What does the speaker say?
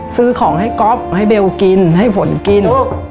ซื้อของให้ก๊อฟให้เบลกินให้ฝนกิน